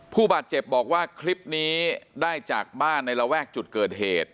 ผู้บาดเจ็บบอกว่าคลิปนี้ได้จากบ้านในระแวกจุดเกิดเหตุ